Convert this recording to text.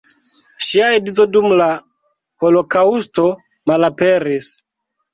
Ŝia edzo dum la holokaŭsto malaperis.